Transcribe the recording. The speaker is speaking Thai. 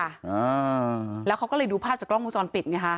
อ่าแล้วเขาก็เลยดูภาพจากกล้องวงจรปิดไงฮะ